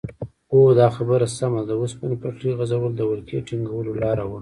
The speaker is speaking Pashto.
هو دا خبره سمه ده د اوسپنې پټلۍ غځول د ولکې ټینګولو لاره وه.